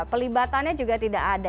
pelibatannya juga tidak ada